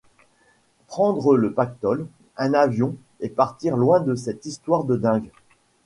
Prendre le pactole, un avion, et partir loin de cette histoire de dingues.